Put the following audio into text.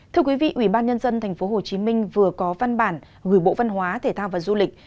thưa quý vị ủy ban nhân dân tp hcm vừa có văn bản gửi bộ văn hóa thể thao và du lịch